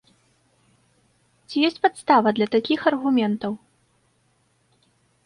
Ці ёсць падстава для такіх аргументаў?